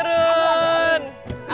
udah obat otak sadar